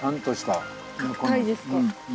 硬いですか？